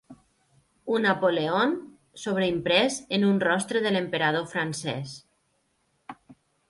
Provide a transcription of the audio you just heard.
U-Napoleon» sobreimprès en un rostre de l'emperador francès.